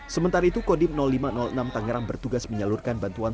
sementara itu kodim lima ratus enam tangerang bertugas menyalurkan bantuan